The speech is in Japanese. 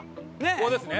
ここですね。